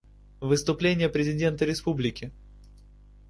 Выступление президента Республики.